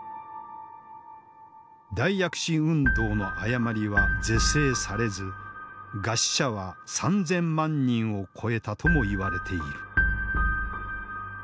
大躍進運動の誤りは是正されず餓死者は３，０００万人を超えたともいわれている。